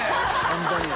本当に。